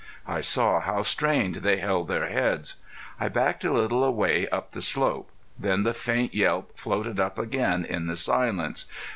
I saw how strained they held their heads. I backed a little way up the slope. Then the faint yelp floated up again in the silence.